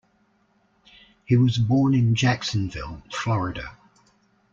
He was born in Jacksonville, Florida.